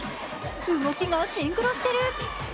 動きがシンクロしてる。